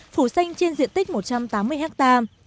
phủ xanh trên diện tích một trăm tám mươi hectare